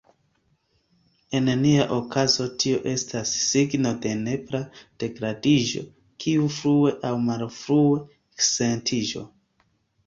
En nia okazo tio estas signo de nepra degradiĝo, kiu frue aŭ malfrue eksentiĝos.